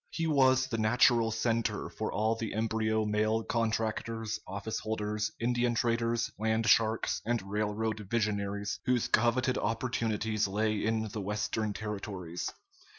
He was the natural center for all the embryo mail contractors, office holders, Indian traders, land sharks, and railroad visionaries whose coveted opportunities lay in the Western territories.